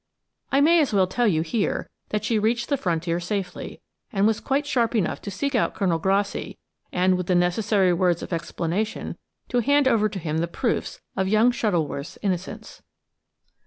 I may as well tell you here that she reached the frontier safely, and was quite sharp enough to seek out Colonel Grassi and, with the necessary words of explanation, to hand over to him the proofs of young Shuttleworth's innocence.